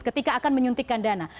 ketika akan menyuntikkan dana